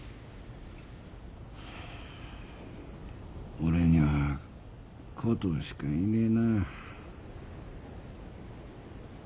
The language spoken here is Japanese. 俺にはコトーしかいねえな。